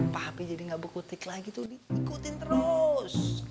pak pi jadi enggak berkutik lagi tuh diikutin terus